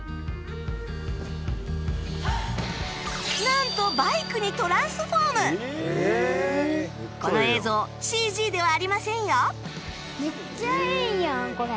なんとこの映像 ＣＧ ではありませんよ